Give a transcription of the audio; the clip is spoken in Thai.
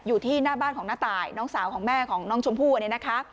อยู่ที่หน้าบ้านของน้าตายน้องสาวของแม่ของน้องชมพู่เนี่ยนะคะ